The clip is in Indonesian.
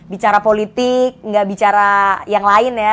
bicara politik nggak bicara yang lain ya